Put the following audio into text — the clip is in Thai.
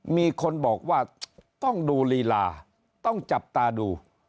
มีคนบอกว่าต้องดูลีลาต้องจับตาดู